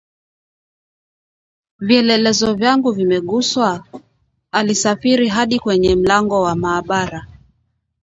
Vielelezo vyangu vimeguswa?" Alisafiri hadi kwenye mlango wa maabara